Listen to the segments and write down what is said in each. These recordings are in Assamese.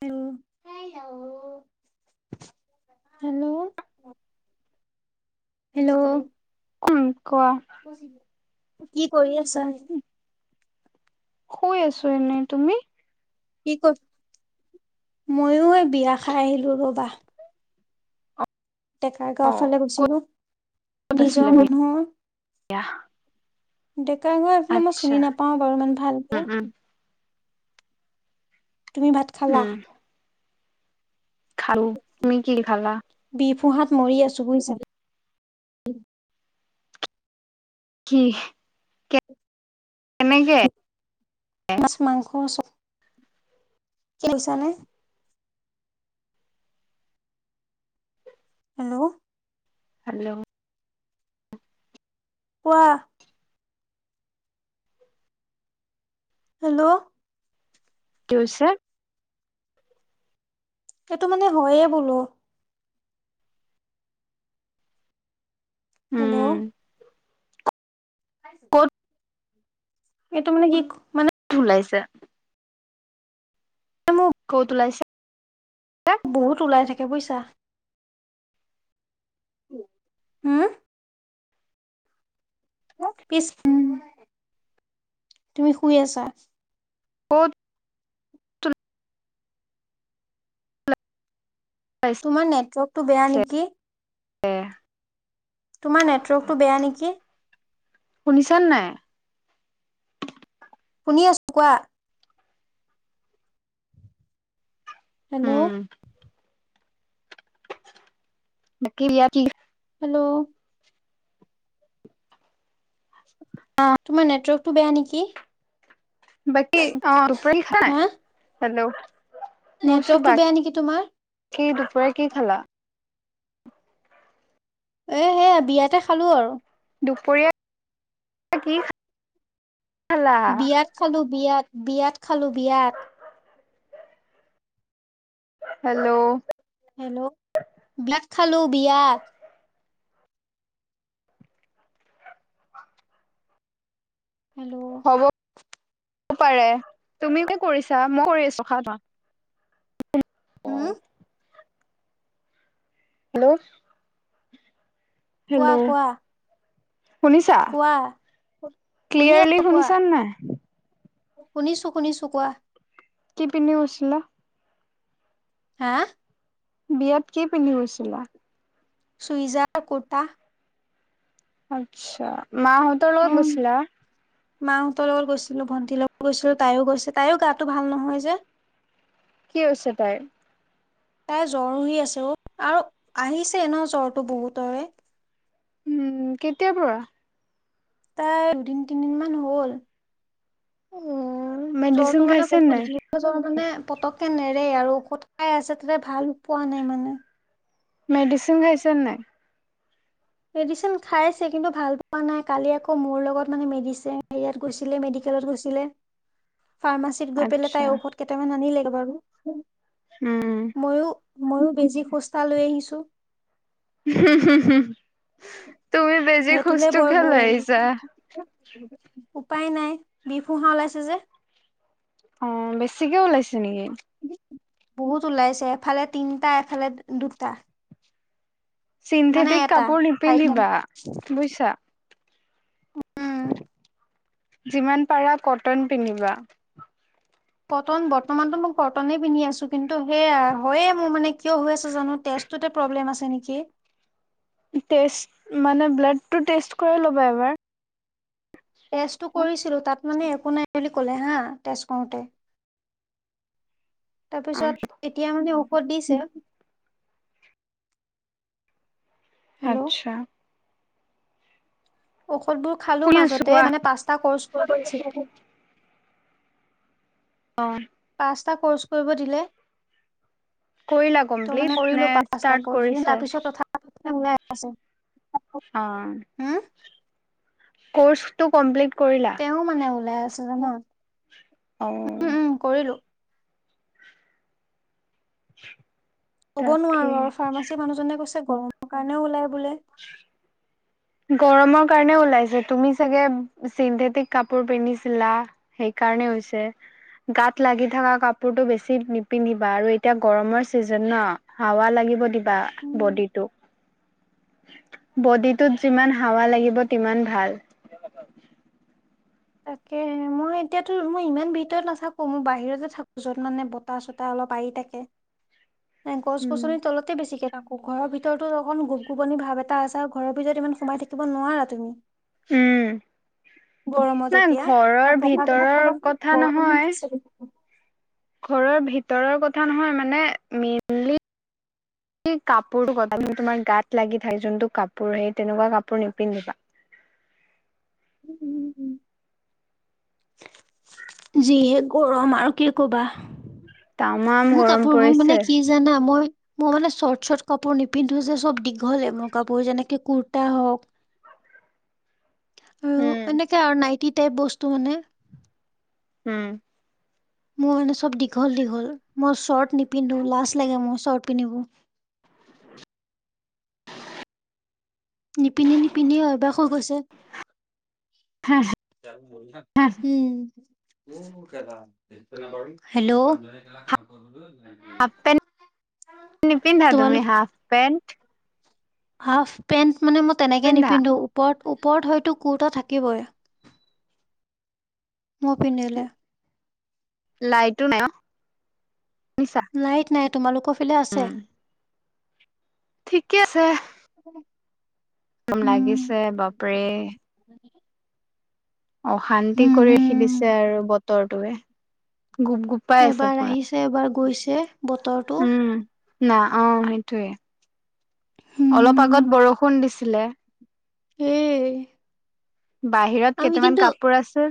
হেল হেল্ল হেল্ল হেল্ল কোন কোৱা কি কৰি আছা? শুই আছো এনেই তুমি কি ক'ত ময়ো এই বিয়া খাই আহিলো ৰবা। অ ডেকাৰগাঁও ফালে গৈছিলো ক'ত নিজৰ আছিলে মানুহৰ বিয়া ডেকাৰগাঁও এইফালে মই আচ্ছা চিনি নাপাও বাৰু ইমান উম ভালকে উম তুমি ভাত খালা উম খালো তুমি কি খালা বিফোঁহাত মৰি আছো বুজিছা কি কেনেকে মাছ মাংস চব বুজিছা নে হেল্ল হেল্ল কোৱা হেল্ল কি হৈছে এটো মানে হয়ে বোলো উম হেল্ল' আছ কত? এইটো মানে কি মানে থু উলাইছে তমোক [unintelligible] ক'ত ওলাইছা বহুত ওলাই থাকে বুজিছা হম পিছ [unintelligible] তুমি শুই আছা ক'ত ওলাইছে তোমাৰ নেটৱৰ্ক টো বেয়া নেকি [unintelligible] তোমাৰ নেটৱৰ্কটো বেয়া নেকি শুনিছন নাই শুনি আছো কোৱা হেল্ল' উম বাকী লীয়া কি? হেল্ল' অ তোমাৰ নেটৱৰ্কটো বেয়া নেকি বাকি হা [unintelligible] হেল্ল' নেটৱৰ্কটো বেয়ানেকি তোমাৰ কি দুপৰীয়া কি খালা এ সেয়া বিয়াতে খালো আৰু দুপৰীয়া [unintelligible] কি খালা বিয়াত খালো বিয়াত বিয়াত খালো বিয়াত হেল্ল' হেল্ল' বিয়াত খালো বিয়া হেল্ল' হ'ব পাৰে তুমি কি কৰিছা [unintelligible] ৰখা অ উম হেল্ল' হেল্ল' কোৱা কোৱা শুনিছা কোৱা শুনি ক্লিয়াৰলি আছো কোৱা শুনিছানে নাই শুনিছো শুনিছো কোৱা কি পিন্ধি গৈছিলা হা বিয়াত কি পিন্ধি গৈছিলা চুইজাৰ কোৰ্টা আচ্ছা মাঁহতৰ লগত উম। গৈছিলা মাহঁতৰ লগত গৈছিলো ভণ্টিৰ লগত গৈছিলো তাইও গৈছে তাইও গাটো ভাল নহয় যে কি হৈছে তাইৰ তাই জ্বৰ হৈ আছে অ আৰু আহিছে ন জ্বৰটো বহুতৰে উম, কেতিয়াৰ পৰা? তাই দুদিন-তিনদিন মান হ'ল। অ মেডিচিন জ্বৰটো মানে খাইছে নাই বহুত- মানে পতককে নেৰে আৰু ঔষধ খাই আছে তা'তে ভাল পোৱা নাই মানে। মেডিচিন খাইছে নে নাই? মেডিচিন খাইছে কিন্তু ভাল পোৱা নাই। কালি আকৌ মোৰ লগত মানে মেডিচিন ইয়াত গৈছিলে মেডিকেলত গৈছিলে। ফাৰ্মাচীত গৈ পেলাই আচ্ছা তাই ঔষধ কেইটামান আনিলেগে বাৰু। উমঁ। মইও-মইও বেজি খুচ এটা লৈ আহিছো। হুম-হুম, তুমি বেজি সেইটোলে খুজটো বৰ কিয় ভয় লৈ লাগে আহিছা? উপায় নাই, বিষ পুঁহা ওলাইছে যে। অঁহ', বেছিকে ওলাইছে নেকি? বহুত ওলাইছে এফালে তিনটা, এফালে দুটা। মানে চিন্থেটিক এটা কাপোৰ চাৰিটা নিপিন্ধিবা বুজিছা। উম যিমান পাৰা কটন পিন্ধিবা। কটন বৰ্তমানতো মই কটনে পিন্ধি আছো কিন্তু সেইয়াই, হয়য়ে মোৰ মানে কিয় হৈ আছে জানো তেজ- টোতে প্ৰব্লেম আছে নেকি। তেজ মানে ব্লাড টো টেষ্ট কৰি ল'বা এবাৰ। টেষ্টতো কৰিছিলো তা'ত মানে একো নাই বুলি ক'লে হাঁ, টেষ্ট কৰোতে। তাৰপিছত এতিয়া মানে ঔষধ দিছে। হেল্ল' আচ্ছা। ঔষধবোৰ খালো শুনি আছো মাজতে, কোৱা। মানে পাঁচটা কৰ্চ কৰিছে। অহ। পাঁচটা কৰ্চ কৰিব দিলে। কৰিলা ত' কমপ্লিট মানে কৰিলো নে পাঁচটা ষ্টাৰ্ট কৰ্চ, কৰিছা? তাৰপিছত তথা ওলাই আহ আছে। অহ'। হুম। কৰ্চটো কমপ্লিট কৰিলা। তেওঁ মানে ওলাই আছে জান। অ'। কৰিলোঁ। [inaudible] ক'ব নোৱাৰো আৰু ফাৰ্মাচী মানুহজনে কৈছে গৰমৰ কাৰণেও ওলাই বোলে। [inaudible] গৰমৰ কাৰণে ওলাইছে তুমি চাগে চিন্থেটিক কাপোৰ পিন্ধিছিলা। সেইকাৰণেই হৈছে। গাত লাগি থকা কাপোৰটো বেছি নিপিন্ধিবা, আৰু এতিয়া গৰমৰ চিজন ন। হাৱা লাগিব দিবা উম, বডি তোক। [inaudible] বডিটোত যিমান হাৱা লাগিব সিমান ভাল। তাকে'হে মই এতিয়াতো মই ইমান ভিতৰত নাথাকো, মই বাহিৰতে থাকো, য'ত মানে- তা চোতা অলপ আহি থাকে। উম গছ-গছনিৰ তলতে বেছিকে আকৌ ঘৰৰ ভিতৰতো অকণ গোপ-গোপনি ভাৱ এটা আছে আৰু ঘৰৰ ভিতৰত ইমান সোমাই থাকিব নোৱাৰা তুমি। উম গৰমত। নাই তেতিয়া ঘৰৰ তাৰ পকাদখত ভিতৰৰ চাবা কথা গৰম নহয়। উঠিছে বুলি। ঘৰৰ ভিতৰৰ কথা নহয় মানে মি সেই কাপোৰটো কথা তুমি তোমাৰ গাত লাগি থাক যোনতটো কাপোৰ সেই তেনেকুৱা কাপোৰ নিপিন্ধিবা। উম, উম উ উুম। যি গৰম আৰু কি কবা তামাম মোৰ গৰম কাপোৰবোৰ মানে পৰিছে কি জানা মই মই মানে শৰ্ট চৰ্ট কাপোৰ নিপিন্ধো যে চব দীঘলে মোৰ কাপোৰ যেনেকে ক ‌কূৰ্তা হওক আৰু উম এনেকে আৰু নাইটি টাইপ বস্তু মানে উম। মোৰ মানে চব দীঘল, দীঘল মই শৰ্ট নিপিন্ধো লাজ লাগে মই শৰ্ট পিন্ধিব। নিপিন্ধি, নিপিন্ধি অভ্যাস হৈ গৈছে। উম। হেল্ল'। হাফ্ পেন্ট নিপিন্ধা তুমি তোমালোক হাফ্ পেণ্ট। হাফ্ পেন্ট মানে মই তেনেকে পিন্ধা নিপিন্ধো ওপৰত ওপৰত হয়তো কুৰ্তা থাকিবই। মোৰ পিন্ধবলৈ। লাইটো নাই অ', মিছা লাইট নাই তোমালোকৰ ফালে আছে। ঠিকে আছে। গৰম উম লাগিছে বাপৰে। অশান্তি হুম কৰি হুম ৰাখি দিছে আৰু বতৰটোৱে গুপ গুপ এবাৰ আহিছে এবাৰ গৈছে। বতৰটো উম। না অ', সেইটোয়ে অলপ হুম আগত বৰষুণ দিছিলে। উম। বাহিৰত কেইটামান কাপোৰ আছে।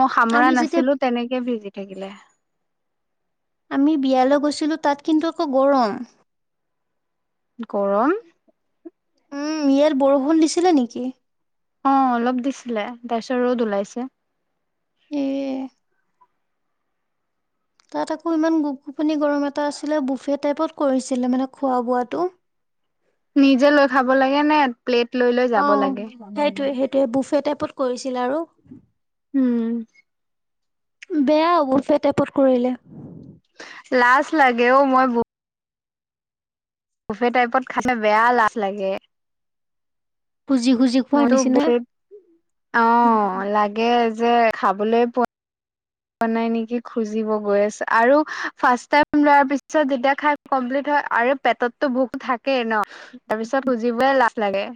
মই আমি সামৰা যেতিয়া নাছিলোঁ তেনেকে ভিজি থাকিলে। আমি বিয়ালৈ গৈছিলোঁ তাত কিন্তু আকৌ গৰম। গৰম উম মিয়েল বৰষুণ দিছিলে নেকি? অ', অলপ দিছিলে তাপিছত ৰ'দ ওলাইছে। এ তাত আকৌ ইমান গোপগোপনি গৰম এটা আছিলে বুফে টাইপত কৰিছিলে মানে খোৱা বোৱাটো। নিজে লৈ খাব লাগে নে প্লেট লৈ লৈ যাব অ', লাগে সেইটোৱে সেইটোৱে বুফে টাইপত কৰিছিলে আৰু। উম। বেয়া বুফে টাইপট কৰিলে। লাজ লাগে অ', ঔ মই বহ বুফে টাইপত খালে বেয়া লাজ লাগে। খুজি, খুজি খোৱাৰ মইতো নিচিনা বত অ', লাগে যে খাবলৈ পোৱা বনাই নেকি খুজিব গৈ আছ আৰু ফাৰ্ষ্ট টাইম লোৱাৰ পিছত যেতিয়া খাই কমপ্লিট হয় আৰু পেটততো ভোক থাকেই ন তাৰ পিছত খুজিবই লাজ লাগে।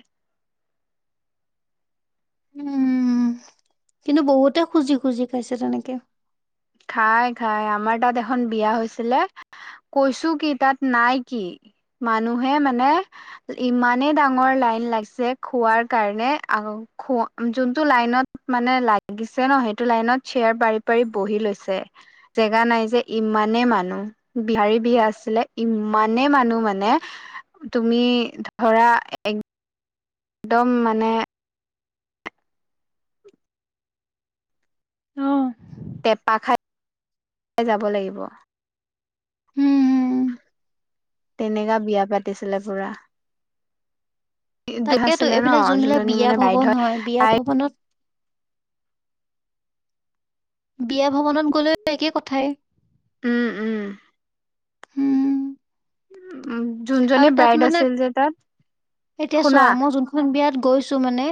উম, কিন্তু বহুতে খুজি খুজি খাইছে তেনেকে। খাই, খাই আমাৰ তাত এখন বিয়া হৈছিলে কৈছো কি তাত নাই কি? মানুহে মানে ইমানেই ডাঙৰ লাইন লাগিছে খোৱাৰ কাৰণে, আহ খোৱা যোনটো লাইনত মানে লাগিছে ন সেইটো লাইনত চেয়াৰ পাৰি পাৰি বহি লৈছে। জেগা নাই যে ইমানেই মানুহ। বিহাৰী বি আছিলে, ইমানে মানুহ মানে। তুমি ধৰা এক দম মানে অঁ। টেঁপা খাই, যাব লাগিব। হুম হুম। তেনেকা বিয়া পাতিছিলে পুৰা। দুখ তাকেতো আছিলে ন এইবিলাক যোনবিলাক যোনজনী বিয়া মানে বাইদ ভৱন হয়। বিয়া তাই ভৱনত বিয়া ভৱনত গ'লেও একে কথাই। উম উম। উম উম, যোনজনী আৰু তাত ব্ৰাইড মানে আছিল যে তাত শুনা। জোনখন বিয়াত গৈছো মানে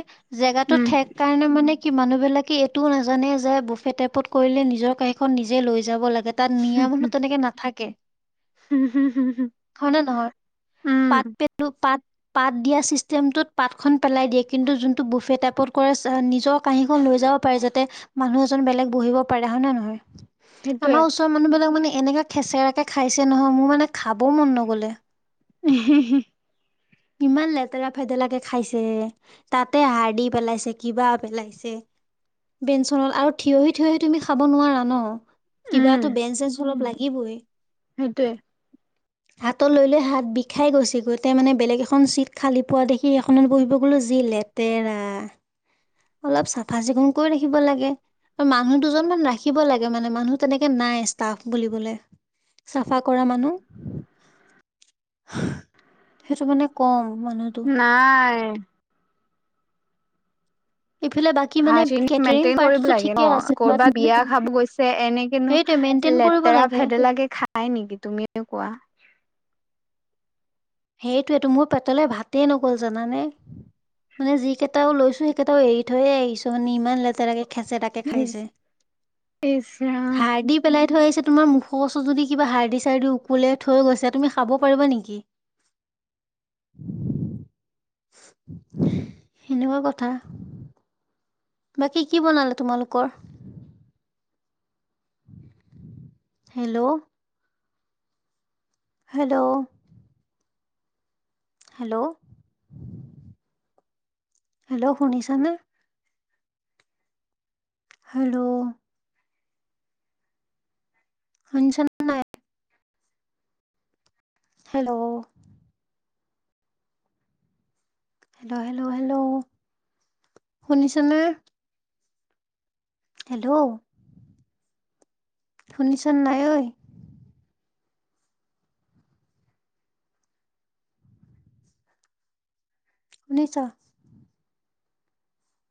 জেগাটো উম, ঠেক কাৰণে মানে কি মানুহবিলাকে এইটোও নাজানে যে বুফে টাইপত কৰিলে নিজৰ কাঁহী খন নিজে লৈ যাব লাগে। তাত নিয়া মানুহ তেনেকে নাথাকে। হয় নে নহয়? উম, পাত পে টো পাত পাত দিয়া চিষ্টেমটোত পাতখন পেলাই দিয়ে কিন্তু যোনটো বুফে টাইপত কৰে নিজৰ কাঁহীখন লৈ যাব পাৰে যাতে মানুহ এজন বেলেগ বহিব পাৰে। হয় নে নহয়? সেইটোৱে আমাৰ ওচৰৰ মানুহ বিলাক মানে এনেকা খেচৰাকে খাইছে নহয় মোৰ মানে খাবও মন নগলে। [inaudible] ইমান লেতেৰা ভেদলাকে খাইছে। তাতে হাৰ্ডি পেলাইছে কিবা পেলাইছে। বেঞ্চনত আৰু থিয়হি থিয়হি তুমি খাব নোৱাৰা ন। উম, কিবাটো বেঞ্চ চেঞ্চ অলপ লাগিবই। সেইটোৱে। হাতত লৈ লৈ হাত বিষাই গৈছে গোটতে মানে বেলেগ এখন চিট খালি পোৱা দেখি সেইখনত বহিব গ'লো যি লে তেৰা, অলপ চাফা চিকুণ কৰি ৰাখিব লাগে। আৰু মানুহ দুজনমান ৰাখিব লাগে মানে মানুহ তেনেকে নাই ষ্টাফ বুলিবলে। চাফা কৰা মানুহ। সেইটো মানে কম মানুহ নাই। ইফালে বা হাইজিন মেইনটেইন কৰিব লাগে ন? বাট কৰবাত বিয়া খাব গৈছে এনেকেনো সেইটোৱে মেইনটেইন কৰিব লেতেৰা লাগে ভেদেলাকে খাই নেকি, তুমিয়ে কোৱা? সেইটোৱেটো মোৰ পেটলে ভাতে নগল জানানে। মানে যিকিটাও লৈছো সেইকেটাও এৰি থৈ আহিছো মানে ইমান লেতেৰাকে খেচেৰা কে ইচ খাইছে। ইচ ৰাম হাৰ্ডি পেলাই থৈ আহিছে তোমাৰ মুখৰ ওচৰত যদি কিবা হাৰ্ডি চাৰ্ডি উকলিয়াই থৈ গৈছে, তুমি খাব পাৰিবা নেকি? সেনেকুৱা কথা। বাকী কি বনালে তোমালোকৰ? হেল্ল'! হেল্ল'! হেল্ল' হেল্ল' শুনিছনে হেল্ল' শুনিছ হেল্ল' হেল্ল' হেল্ল' হেল্ল' শুনিছনে হেল্ল' শুনিছন নাই ঐ শুনিছ